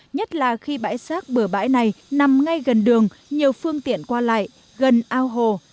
nhất là khi bãi rác bừa bãi này nằm ngay gần đường nhiều phương tiện qua lại gần ao hồ